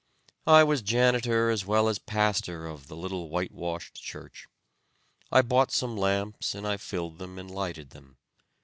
I was janitor as well as pastor of the little white washed church. I bought some lamps and I filled them and lighted them.